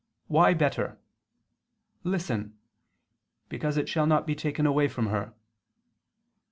Why better? Listen because it shall not be taken away from her.